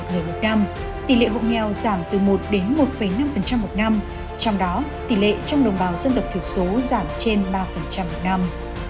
tỷ lệ hộ nghèo giảm từ một đến một năm một năm trong đó tỷ lệ trong đồng bào dân tộc thiểu số giảm trên ba một năm